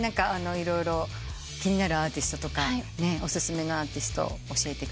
色々気になるアーティストとかお薦めのアーティスト教えてください。